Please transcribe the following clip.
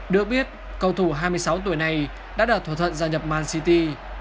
được biết cầu thù hai mươi sáu tuổi này đã đạt thủ thuận gia nhập man city